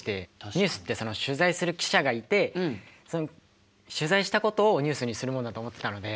ニュースって取材する記者がいて取材したことをニュースにするもんだと思ってたので。